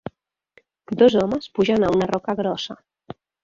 Dos homes pugen a una roca grossa.